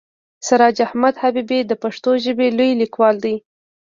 سراج احمد حبیبي د پښتو ژبې لوی لیکوال دی.